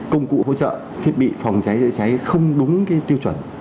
công cụ hỗ trợ thiết bị phòng cháy chữa cháy không đúng tiêu chuẩn